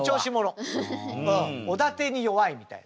うんおだてに弱いみたいな。